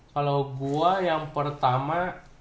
kalau gue yang pertama